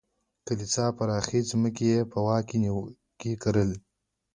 کلیسا پراخې ځمکې یې په واک کې لرلې.